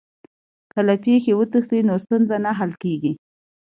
که له پېښي وتښتې نو ستونزه نه حل کېږي.